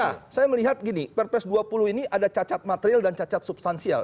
nah saya melihat gini perpres dua puluh ini ada cacat material dan cacat substansial